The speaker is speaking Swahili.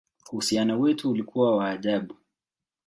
Uhusiano wetu ulikuwa wa ajabu!